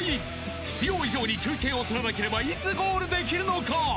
必要以上に休憩を取らなければいつゴールできるのか。